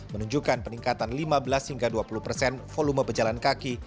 menunjukkan peningkatan lima belas hingga dua puluh persen volume pejalan kaki